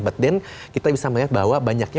but then kita bisa melihat bahwa banyaknya